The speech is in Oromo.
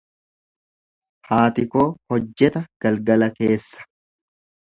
Haati koo hojjeta galgala keessa.